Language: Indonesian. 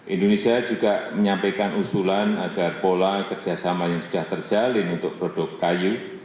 indonesia juga menyampaikan usulan agar pola kerjasama yang sudah terjalin untuk produk kayu